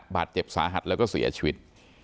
บาดเจ็บสาหัสแล้วก็เสียชีวิต